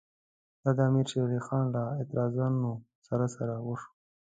دا د امیر شېر علي خان له اعتراضونو سره سره وشوه.